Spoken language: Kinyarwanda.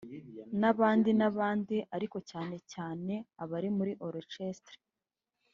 n’abandi n’abandi ariko cyane cyane abari muri Orchestre